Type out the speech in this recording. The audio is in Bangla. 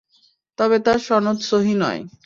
তবে তার সনদ সহীহ নয়।